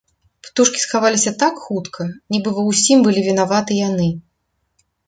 Птушкі схаваліся так хутка, нібы ва ўсім былі вінаваты яны.